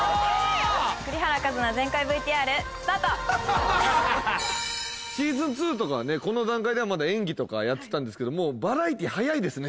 栗原一菜ｓｅａｓｏｎ２とかはねこの段階ではまだ演技とかやってたんですけどもうバラエティ早いですね